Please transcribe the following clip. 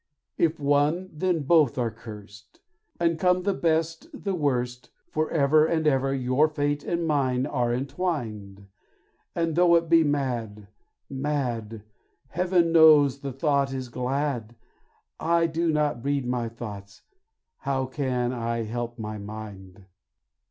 If one, then both are cursed, And come the best, the worst, Forever and ever your fate and mine are entwined; And though it be mad mad, Heaven knows the thought is glad, I do not breed my thoughts, how can I help my mind.